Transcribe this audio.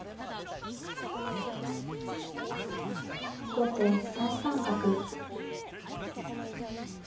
後手３三角。